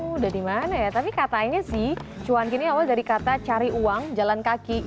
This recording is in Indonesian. udah dimana ya tapi katanya sih cuan gini awal dari kata cari uang jalan kaki